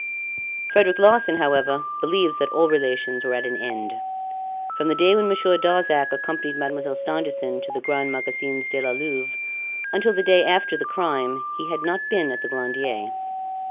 "Frederic Larsan, however, believes that all relations were at an end. From the day when Monsieur Darzac accompanied Mademoiselle Stangerson to the Grands Magasins de la Louvre until the day after the crime, he had not been at the Glandier.